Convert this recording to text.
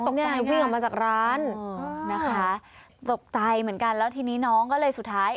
น้องเขาก็น่าตกใจน่ะนะคะตกใจเหมือนกันแล้วทีนี้น้องก็เลยสุดท้าย